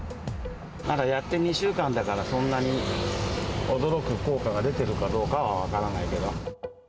まだやって２週間だから、そんなに驚く効果が出てるかどうかは分からないけど。